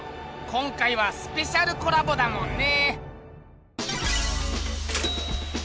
今回はスペシャルコラボだもんね。